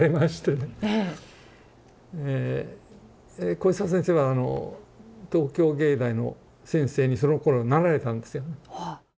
小磯先生はあの東京藝大の先生にそのころなられたんですよね。